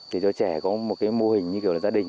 để cho trẻ có một cái mô hình như kiểu là gia đình